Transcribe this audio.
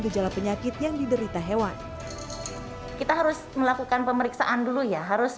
gejala penyakit yang diderita hewan kita harus melakukan pemeriksaan dulu ya harus